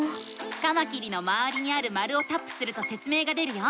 カマキリのまわりにある丸をタップするとせつ明が出るよ。